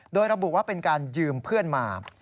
โดยระบุว่าเป็นการยืมเพื่อนมา